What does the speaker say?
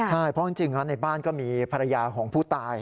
ใช่เพราะจริงในบ้านก็มีภรรยาของผู้ตาย